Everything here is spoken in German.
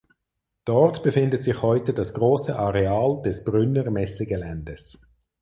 Dort befindet sich heute das große Areal des Brünner Messegeländes.